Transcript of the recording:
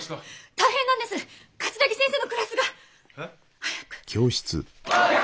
大変なんです桂木先生のクラスが。えっ？